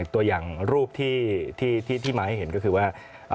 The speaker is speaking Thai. ตัวอย่างรูปที่มาให้เห็นก็คือว่า